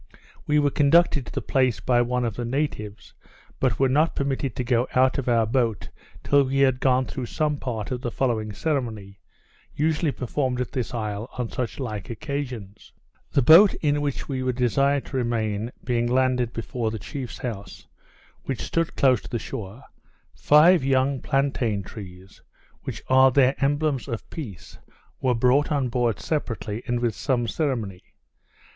We were conducted to the place by one of the natives; but were not permitted to go out of our boat, till we had gone through some part of the following ceremony usually performed at this isle, on such like occasions. The boat in which we were desired to remain being landed before the chief's house, which stood close to the shore, five young plaintain trees, which are their emblems of peace, were brought on board separately, and with some ceremony.